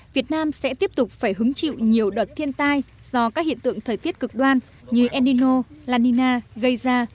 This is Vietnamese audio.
việt nam sẽ tiếp tục phải hứng chịu nhiều đợt thiên tai do các hiện tượng thời tiết cực đoan như endino lanina geysa